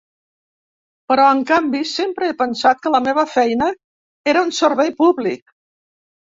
Però en canvi, sempre he pensat que la meva feina era un servei públic.